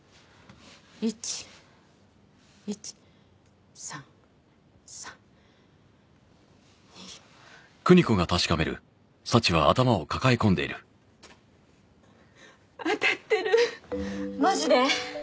１１３３２当たってるマジで？